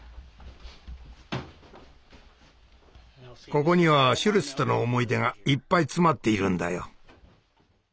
ここにはシュルツとの思い出がいっぱい詰まっているんだよ。